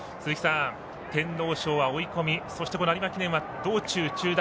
天皇賞は追い込みそして、有馬記念は道中中団。